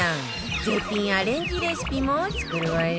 絶品アレンジレシピも作るわよ